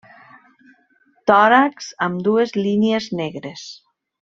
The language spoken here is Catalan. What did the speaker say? Tòrax amb dues línies negres.